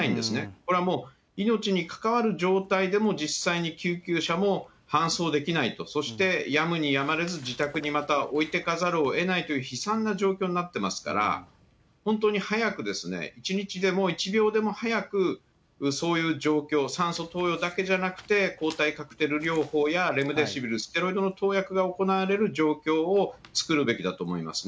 これはもう命に関わる状態でも、実際に救急車も搬送できないと、そしてやむにやまれず、自宅にまた置いてかざるをえないという悲惨な状況になってますから、本当に早く、一日でも、一秒でも早く、そういう状況、酸素投与だけじゃなくて、抗体カクテル療法やレムデシビル、ステロイドの投薬が行われる状況を作るべきだと思いますね。